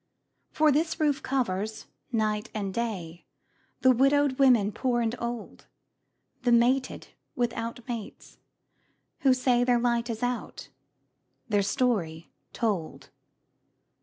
For this roof covers, night and day, The widowed women poor and old, The mated without mates, who say Their light is out, their story told.